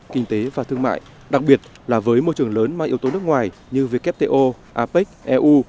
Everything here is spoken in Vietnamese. kinh tế và thương mại đặc biệt là với môi trường lớn mang yếu tố nước ngoài như wto apec eu